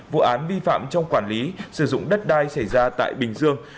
vụ án vi phạm trong quản lý sử dụng đất đai xảy ra tại bình dương